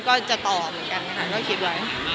ก็จะต่อเหมือนกันค่ะ